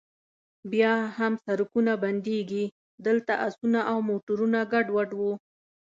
بیا هم سړکونه بندیږي، دلته اسونه او موټرونه ګډوډ و.